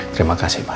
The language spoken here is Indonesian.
terima kasih ma